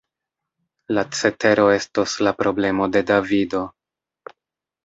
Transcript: La cetero estos la problemo de Davido!